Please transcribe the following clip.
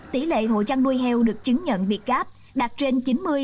tỷ lệ hộ chăn nuôi heo được chứng nhận việc gáp đạt trên chín mươi chín mươi năm